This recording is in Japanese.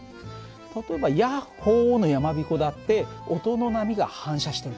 例えば「ヤッホー」のやまびこだって音の波が反射してるでしょ。